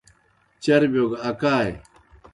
چربِیو گہ اکائے۔